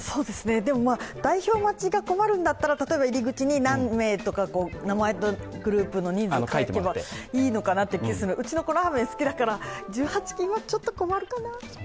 でも、代表待ちが困るんだったら例えば入り口に何名とか名前とグループの人数を書けばいいのかなという気がするけど、うちの子、ラーメン好きだから１８禁はちょっと困るかな。